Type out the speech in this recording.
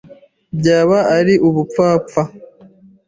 Byaba ari ubupfapffa